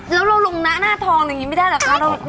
แล้วเราลงหน้าทองอย่างนี้ไม่ได้เหรอคะ